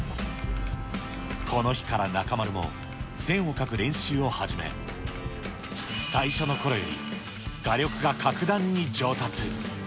この日から中丸も、線を描く練習を始め、最初のころより画力が格段に上達。